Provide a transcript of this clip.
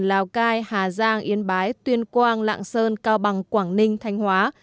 lào cai hà giang yên bái tuyên quang lạng sơn cao bằng quảng ninh thanh hóa